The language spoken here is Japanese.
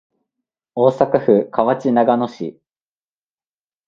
大阪府河内長野市